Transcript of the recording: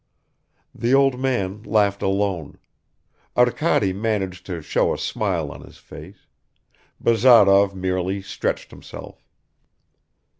The old man laughed alone. Arkady managed to show a smile on his face. Bazarov merely stretched himself.